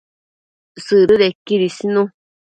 Sëdëdequid isnu